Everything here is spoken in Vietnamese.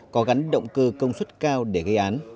có gắn động cơ công suất cao để gây án